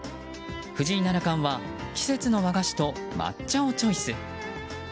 藤井七冠は季節の和菓子と抹茶をチョイス。